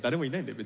別に。